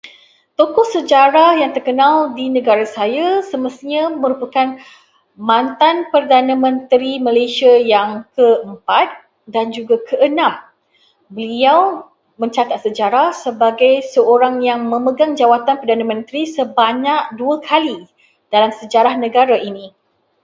Tokoh sejarah yang terkenal di negara saya semestinya merupakan mantan Perdana Menteri Malaysia yang keempat dan juga keenam. Beliau mencatat sejarah sebagai seorang yang memegang jawatan perdana mentari sebanyak dua kali dalam sejarah negara ini.